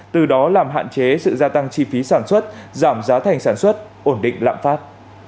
từ đó làm hạn chế sự gia tăng chi phí sản xuất giảm giá thành sản xuất ổn định lạm phát